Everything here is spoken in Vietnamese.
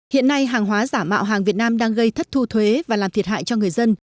hiện nay hàng hóa giả mạo hàng việt nam đang gây thất thu thuế và làm thiệt hại cho người dân